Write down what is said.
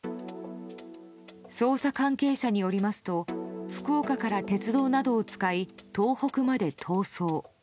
捜査関係者によりますと福岡から鉄道などを使い東北まで逃走。